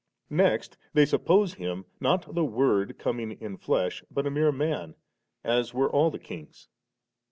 • Next they suppose Him, not the Word coming in flesh, but a mere man, as were all the kings.